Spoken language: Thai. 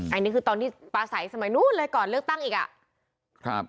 อันนี้คือตอนที่ปลาใสสมัยนู้นเลยก่อนเลือกตั้งอีกอ่ะครับ